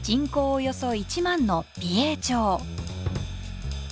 およそ１万の美瑛町。